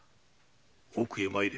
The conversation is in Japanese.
奥へ参れ。